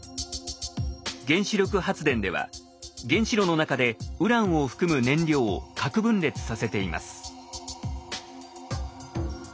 原子力発電では原子炉の中でウランを含む燃料を核分裂させています。